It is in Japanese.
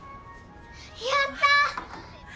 やった！